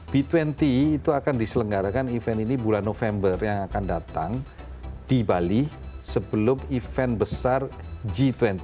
b dua puluh itu akan diselenggarakan event ini bulan november yang akan datang di bali sebelum event besar g dua puluh